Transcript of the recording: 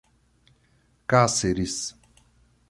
Cáceres